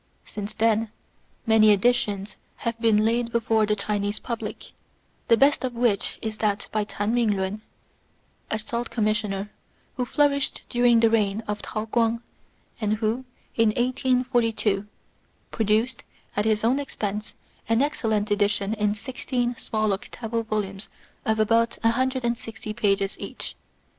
Since then many editions have been laid before the Chinese public, the best of which is that by Tan Ming lun, a Salt Commissioner, who flourished during the reign of Tao Kuang, and who in 1842^ produced, at his own expense, an excellent edition in sixteen small octavo volumes of about 160 pages each.